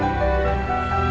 dia berusia lima belas tahun